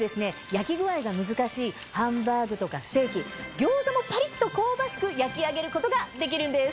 焼き具合が難しいハンバーグとかステーキ餃子もパリっと香ばしく焼き上げることができるんです。